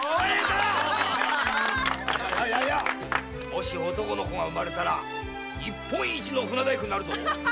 もし男の子が生まれたら日本一の船大工になるぞ！